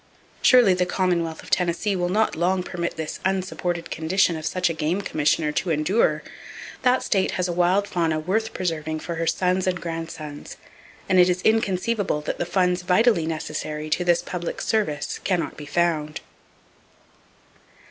Surely the Commonwealth of Tennessee will not long permit this unsupported condition of such a game commissioner to endure. That state has a wild fauna worth preserving for her sons and grandsons, and it is inconceivable that the funds vitally necessary to this public service can not be found.